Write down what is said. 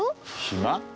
暇？